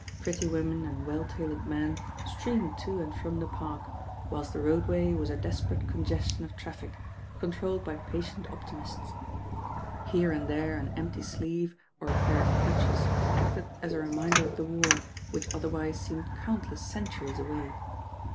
Pretty women and well tailored men streamed to and from the Park, whilst the roadway was a des perate congestion of traffic, controlled by patient optimists. Here and there an ampty sleeve, or a pair of crutches, acted as a reminder of the war, which otherwise seemed countless centuries away.